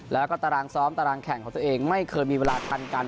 แล้วก็ตารางซ้อมตารางแข่งของตัวเองไม่เคยมีเวลาทันกัน